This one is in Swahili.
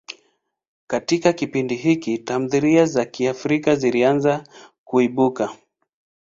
Katika kipindi hiki, tamthilia za Kiafrika zilianza kuibuka.